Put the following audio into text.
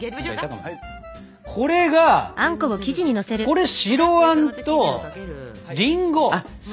これがこれ白あんとりんごあん。